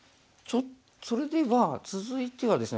それでは続いてはですね